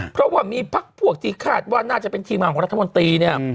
เพราะว่ามีพักพวกที่คาดว่าน่าจะเป็นที่มาของรัฐมนตรีเนี่ย